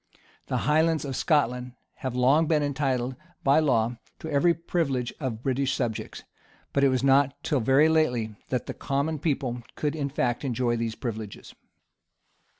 The highlands of Scotland have long been entitled by law to every privilege of British subjects; but it was not till very lately that the common people could in fact enjoy these privileges.